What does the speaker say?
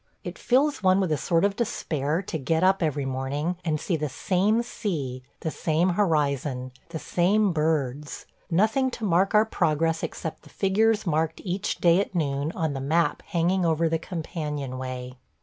It fills one with a sort of despair to get up every morning and see the same sea, the same horizon, the same birds – nothing to mark our progress except the figures marked each day at noon on the map hanging over the companion way.